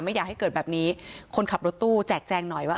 ไม่อยากให้เกิดแบบนี้คนขับรถตู้แจกแจงหน่อยว่า